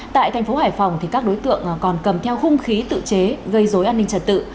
tại thành phố hải phòng các đối tượng còn cầm theo hung khí tự chế gây dối an ninh trật tự